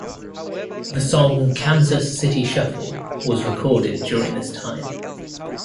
The song Kansas City Shuffle was recorded during this time.